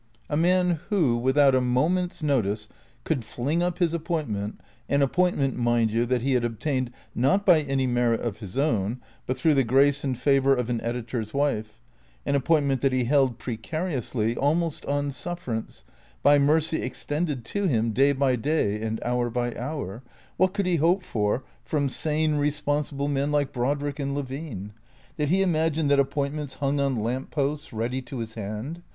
A man who, without a moment's notice, could fling up his appointment, an appointment, mind you, that he had obtained, not by any merit of his own, but through the grace and favour of an editor's wife, an appointment that he held precariously, almost on sufferance, by mercy extended to him day by day and hour by hour, what could he hope for from sane, responsible men like Brodrick and Levine ? Did he imagine that appointments hung on lamp posts ready to his hand?